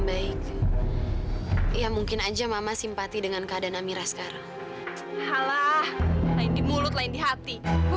sampai jumpa di video selanjutnya